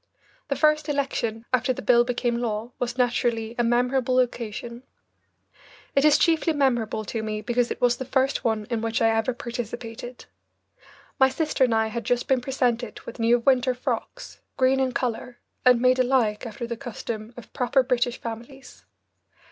The first election after the bill became law was naturally a memorable occasion. It is chiefly memorable to me because it was the first one in which I ever participated. My sister and I had just been presented with new winter frocks, green in colour, and made alike, after the custom of proper British families.